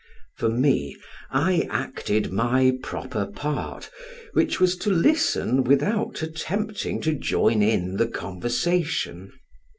For me, I acted my proper part, which was to listen without attempting to join in the conversation.